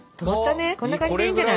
こんな感じでいいんじゃない？